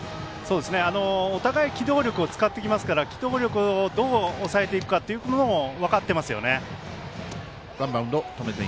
お互い機動力を使ってきますから機動力をどう抑えていくかっていうことも分かってますよね。